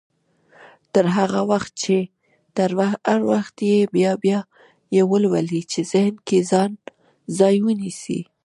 تر هغه وخته يې بيا بيا يې ولولئ چې ذهن کې ځای ونيسي.